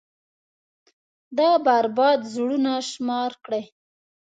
دا بـربـاد زړونه شمار كړئ.